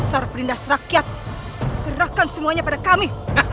besar perindas rakyat serahkan semuanya pada kami